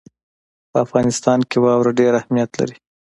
په افغانستان کې واوره ډېر اهمیت لري.